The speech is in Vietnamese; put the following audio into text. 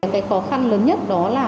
cái khó khăn lớn nhất đó là